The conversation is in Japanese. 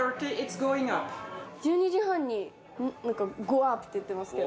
１２時半に何か「Ｇｏｕｐ」って言ってますけど。